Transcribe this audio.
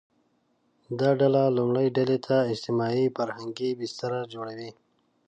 دا ډله لومړۍ ډلې ته اجتماعي – فرهنګي بستر جوړوي